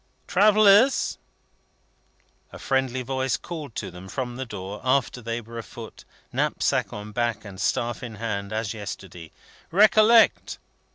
"Travellers!" a friendly voice called to them from the door, after they were afoot, knapsack on back and staff in hand, as yesterday; "recollect!